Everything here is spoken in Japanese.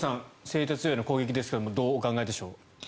製鉄所への攻撃ですがどうお考えでしょう。